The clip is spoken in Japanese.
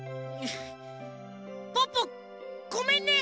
ポッポごめんね。